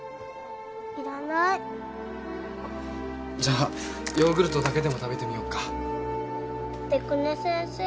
いらないじゃあヨーグルトだけでも食べてみようか出久根先生